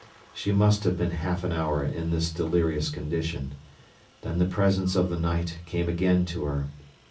She must have been half an hour in this delirious condition. Then the presence of the night came again to her.